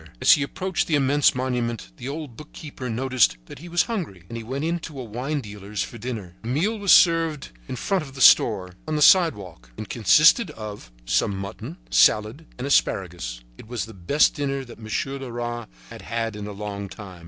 As he approached the immense monument, the old bookkeeper noticed that he was hungry, and he went into a wine dealer's for dinner. The meal was served in front of the store, on the sidewalk. It consisted of some mutton, salad and asparagus. It was the best dinner that Monsieur Leras had had in a long time.